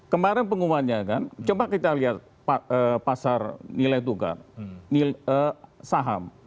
kemarin pengumumannya kan coba kita lihat pasar nilai tukar saham